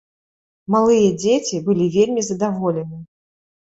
Малыя дзеці былі вельмі здаволены.